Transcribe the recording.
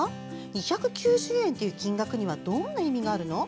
２９０円という金額にはどんな意味があるの？